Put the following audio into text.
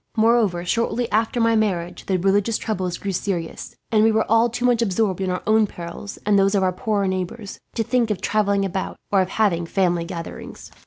Moreover, shortly after my marriage the religious troubles grew serious; and we were all too much absorbed in our own perils, and those of our poorer neighbours, to think of travelling about, or of having family gatherings.